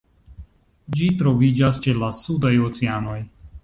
Ĝi troviĝas ĉe la sudaj oceanoj.